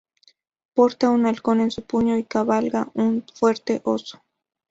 Porta un halcón en su puño y cabalga un fuerte oso.